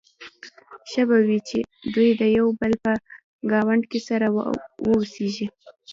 ښه به وي چې دوی د یو بل په ګاونډ کې سره واوسيږي.